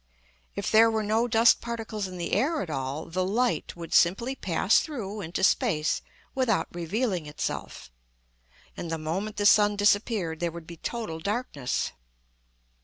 If there were no dust particles in the air at all, the light would simply pass through into space without revealing itself, and the moment the sun disappeared there would be total darkness.